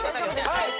はい。